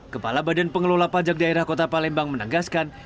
kepala badan pengelola pajak daerah kota palembang menegaskan